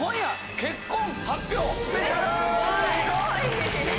すごい！